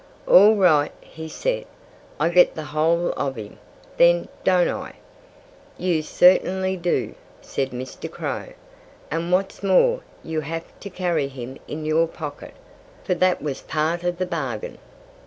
"All right!" he said. "I get the whole of him, then don't I?" "You certainly do," said Mr. Crow. "And what's more, you have to carry him in your pocket, for that was part of the bargain."